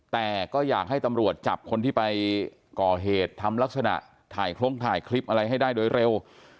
แต่ก็อยากให้ตำรวจจับคนที่ไปก่อเหตุทำลักษณะถ่ายโครงถ่ายคลิปอะไรให้ได้โดยเร็ว